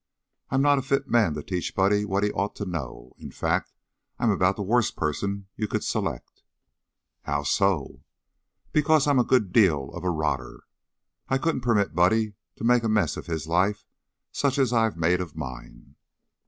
I'm not a fit man to teach Buddy what he ought to know. In fact, I'm about the worst person you could select." "How so?" "Because I'm a good deal of a rotter. I couldn't permit Buddy to make a mess of his life, such as I've made of mine."